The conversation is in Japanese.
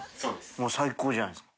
もう最高じゃないですか。